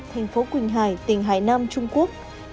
thành phố quỳnh hải tỉnh hải nam trung quốc